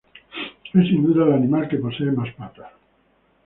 Es, sin duda, el animal que posee más patas.